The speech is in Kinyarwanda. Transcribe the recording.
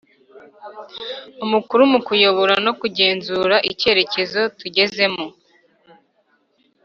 Umukuru mu kuyobora no kugenzura icyerekezo tugezemo